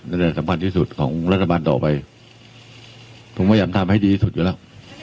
และสำคัญที่สุดของรัฐบาลต่อไปผมพยายามทำให้ดีที่สุดอยู่แล้ว